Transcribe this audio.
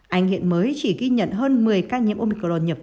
anh hiện mới chỉ ghi nhận hơn một mươi ca